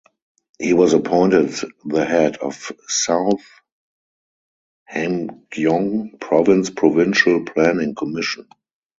He was appointed the head of South Hamgyong Province Provincial Planning Commission.